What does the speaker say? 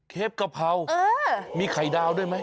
เครพย์กะเพรามีไข่ดาวด้วยมั้ย